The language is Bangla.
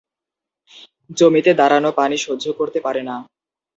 জমিতে দাঁড়ানো পানি সহ্য করতে পারে না।